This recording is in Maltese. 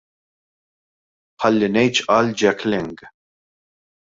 Ħalli ngħid x'qal Jack Lang.